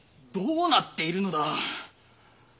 どうなっているのだ。